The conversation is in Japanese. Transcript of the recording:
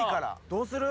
どうする？